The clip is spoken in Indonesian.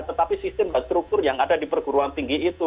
tetapi sistem dan struktur yang ada di perguruan tinggi itu